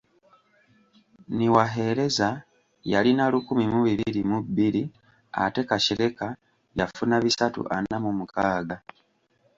Niwahereza yalina lukumi mu bibiri mu bbiri ate Kashereka yafuna bisatu ana mu mukaaga.